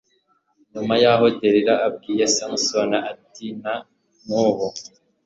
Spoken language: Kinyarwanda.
nyuma yaho delila abwira samusoni ati na n ubu